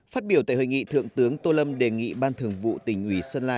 phát biểu tại hội nghị thượng tướng tô lâm đề nghị ban thường vụ tỉnh ủy sơn la